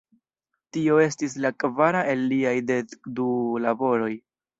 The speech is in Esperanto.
Tio estis la kvara el liaj dek du laboroj.